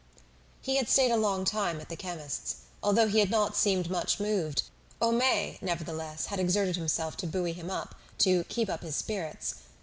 He had stayed a long time at the chemist's. Although he had not seemed much moved, Homais, nevertheless, had exerted himself to buoy him up, to "keep up his spirits."